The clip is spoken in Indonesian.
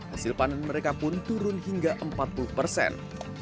hasil panen mereka pun turun hingga empat puluh persen